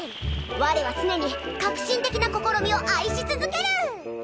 我は常に革新的な試みを愛し続ける！